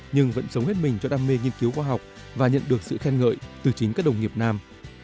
nhưng vẫn sống hết mình cho đam mê nghiên cứu khoa học và nhận được sự khen ngợi từ chính các đồng nghiệp nam